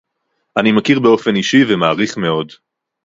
אני מכיר באופן אישי ומעריך מאוד